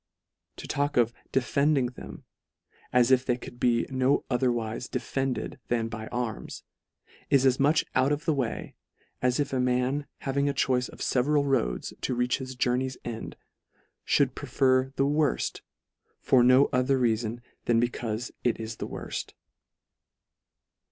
To talk of " defending " them, as if they could be no otherwife "defended" than by arms, is as much out of the way, as if a man having a choice of feveral roads to reach his journey's end, fhould prefer the worft, for no other reafon, than becaufe it is the worft.